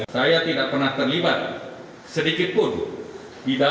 saya tidak pernah terlibat